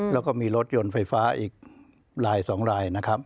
แล้วก็มีรถยนต์ไฟฟ้าอีกราย๒รายนะครับ